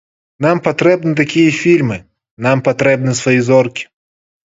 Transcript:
Нам патрэбны такія фільмы, нам патрэбны свае зоркі.